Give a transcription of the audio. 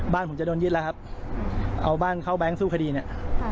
บ้านผมจะโดนยึดแล้วครับเอาบ้านเข้าแก๊งสู้คดีเนี่ย